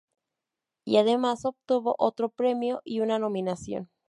Y además obtuvo otro premio y una nominación.